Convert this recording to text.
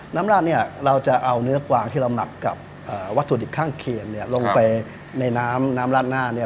ราดเนี่ยเราจะเอาเนื้อกวางที่เราหมักกับวัตถุดิบข้างเคียงลงไปในน้ำน้ำราดหน้าเนี่ย